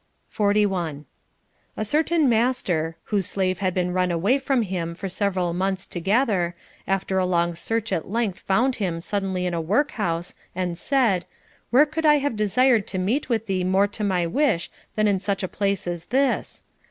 41. A certain master, whose slave had been run away from him for several months together, after a long search at length found him suddenly in a workhouse, and said, Where could I have desired to meet with thee more to my wish than in such a place as this'?